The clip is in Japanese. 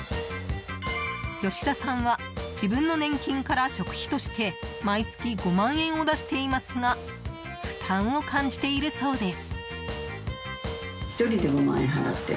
吉田さんは自分の年金から食費として毎月５万円を出していますが負担を感じているそうです。